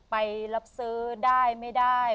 ไปรับซื้อได้ไม่ได้